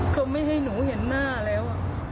เขาไม่ให้หนูเห็นหน้าแล้ว